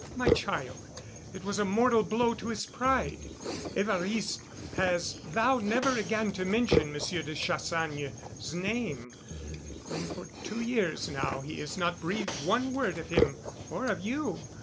"My child, it was a mortal blow to his pride. Évariste has vowed never again to mention Monsieur de Chassagne's name, and for two years now he has not breathed one word of him or of you.